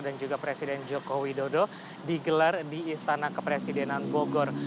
dan juga presiden joko widodo digelar di istana kepresidenan bogor